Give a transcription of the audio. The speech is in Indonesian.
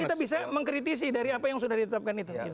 kita bisa mengkritisi dari apa yang sudah ditetapkan itu